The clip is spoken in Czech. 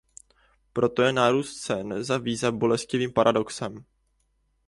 Proto je nárůst cen za víza bolestivým paradoxem.